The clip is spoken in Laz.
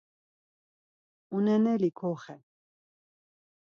Uneneli koxen.